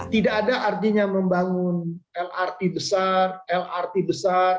tidak ada artinya membangun lrt besar lrt besar